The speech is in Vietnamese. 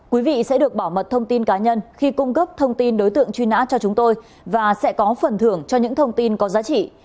quý vị sẽ được bảo mật thông tin cá nhân khi cung cấp thông tin đối tượng truy nã cho chúng tôi và sẽ có phần thưởng cho những thông tin có giá trị